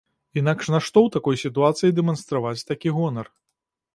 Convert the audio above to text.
Інакш нашто ў такой сітуацыі дэманстраваць такі гонар?